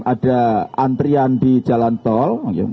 ada antrian di jalan tol